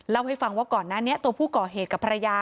เล่าให้ฟังว่าก่อนหน้านี้ตัวผู้ก่อเหตุกับภรรยา